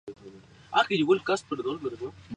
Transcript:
Acto seguido, lo derrotó con un "Gomu Gomu no Bazooka".